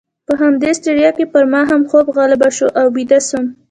په همدې ستړیا کې پر ما هم خوب غالبه شو او بیده شوم.